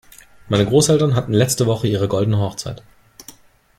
Meine Großeltern hatten letzte Woche ihre goldene Hochzeit.